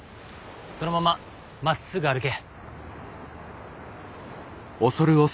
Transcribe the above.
そのまままっすぐ歩け。